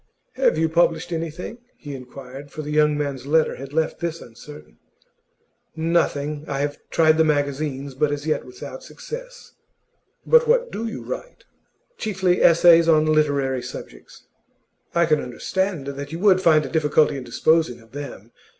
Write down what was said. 'Have you published anything?' he inquired, for the young man's letter had left this uncertain. 'Nothing. I have tried the magazines, but as yet without success.' 'But what do you write?' 'Chiefly essays on literary subjects.' 'I can understand that you would find a difficulty in disposing of them.